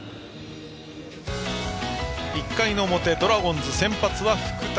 １回の表、ドラゴンズ先発は福谷。